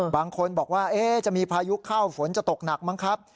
บางคนบอกว่าจะมีพายุเข้าฝนจะตกหนักมั้งครับ